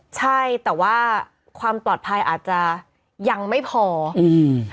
ใช่แต่ว่าความปลอดภัยอาจจะยังไม่พออืม